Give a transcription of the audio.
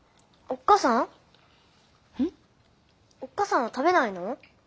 おっ母さんは食べないの？